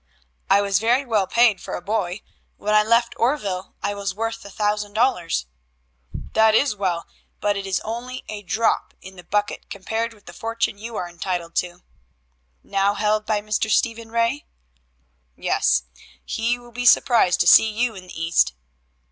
"I was very well paid for a boy. When I left Oreville I was worth a thousand dollars." "That is well, but it is only a drop in the bucket compared with the fortune you are entitled to." "Now held by Mr. Stephen Ray?" "Yes; he will be surprised to see you in the East."